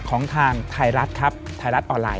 ของทางไทยรัฐครับไทยรัฐออนไลน